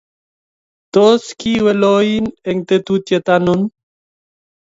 tos kiiwe loin eng tetutyet anonon?